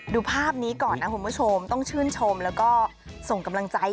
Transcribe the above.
ดูภาพนี้ก่อนนะคุณผู้ชมต้องชื่นชมแล้วก็ส่งกำลังใจ